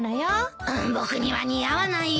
僕には似合わないよ。